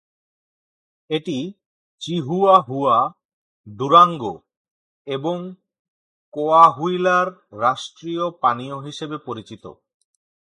এটি চিহুয়াহুয়া, ডুরাঙ্গো এবং কোয়াহুইলার রাষ্ট্রীয় পানীয় হিসেবে পরিচিত।